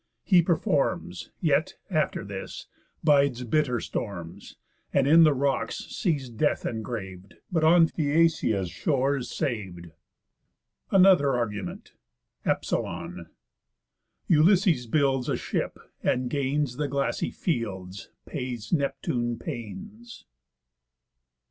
He performs; Yet, after this, bides bitter storms, And in the rocks sees death engrav'd, But on Phæacia's shore is sav'd. ANOTHER ARGUMENT E. Ulysses builds A ship; and gains The glassy fields; Pays Neptune pains.